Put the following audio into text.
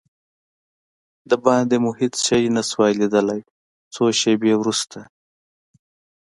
دباندې مو هېڅ شی نه شوای لیدلای، څو شېبې وروسته.